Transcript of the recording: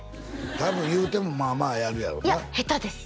多分いうてもまあまあやるやろないや下手です